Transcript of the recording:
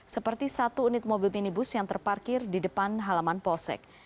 seperti satu unit mobil minibus yang terparkir di depan halaman polsek